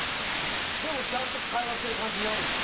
でも、ちゃんと会話してる感じになるんだ。